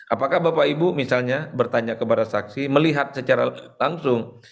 apakah bapak ibu misalnya bertanya kepada saksi melihat secara langsung